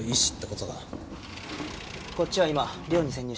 こっちは今寮に潜入したよ。